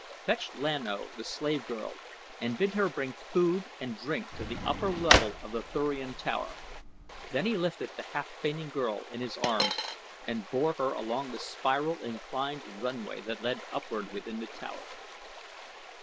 "Fetch Lan O, the slave girl, and bid her bring food and drink to the upper level of the Thurian tower," then he lifted the half fainting girl in his arms and bore her along the spiral, inclined runway that led upward within the tower.